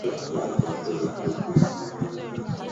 教育效益学的宗旨是研究教育的效益。